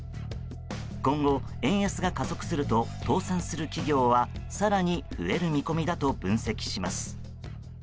今後、円安が加速すると倒産する企業は更に増える見込みだと分析します。